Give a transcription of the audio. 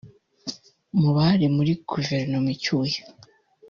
Mu bari muri Guverinoma icyuye